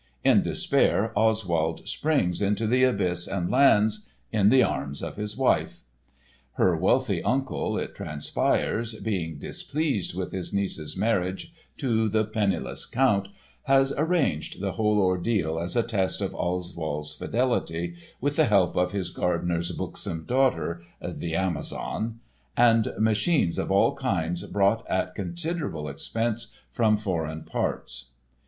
In despair Oswald springs into the abyss and lands—in the arms of his wife! Her wealthy uncle, it transpires, being displeased with his niece's marriage to the penniless Count has "arranged" the whole ordeal as a test of Oswald's fidelity, with the help of his gardener's buxom daughter—the "Amazon"—and "machines of all kinds brought at considerable expense from foreign parts."